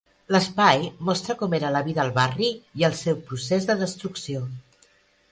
L'espai mostra com era la vida al barri i el seu procés de destrucció.